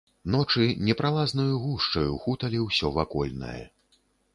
Ночы непралазнаю гушчаю хуталі ўсё вакольнае.